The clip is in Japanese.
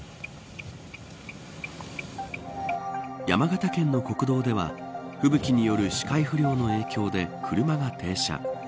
山形県の国道では吹雪による視界不良の影響で車が停車。